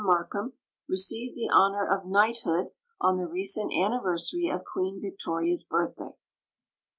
Alark ham, receivetl the honor of knighthood on the recent anniver.sary of Queen Victoria's birthday.